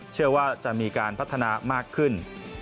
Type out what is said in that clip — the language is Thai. เชื่อว่าจะมีการพัฒนามากขึ้น